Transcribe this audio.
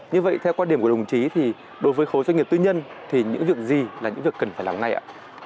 như vậy theo quan điểm của đồng chí thì đối với khối doanh nghiệp tư nhân thì những việc gì là những việc cần phải làm ngay ạ